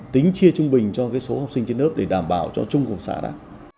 tính chia trung bình cho cái số học sinh trên lớp để đảm bảo cho chung của xã đó